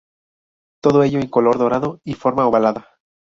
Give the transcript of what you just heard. Todo ello en color dorado y forma ovalada.